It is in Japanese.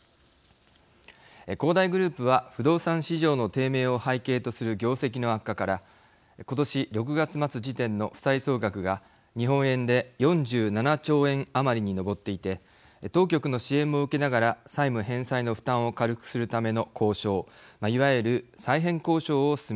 恒大グループは不動産市場の低迷を背景とする業績の悪化から今年６月末時点の負債総額が日本円で４７兆円余りに上っていて当局の支援も受けながら債務返済の負担を軽くするための交渉いわゆる再編交渉を進めています。